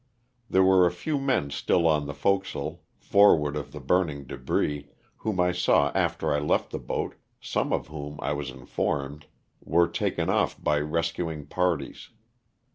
There were a few men still on the forecastle, forward of the burning debris, whom I saw after I left the boat, some of whom, I was informed, were taken off by rescuing parties.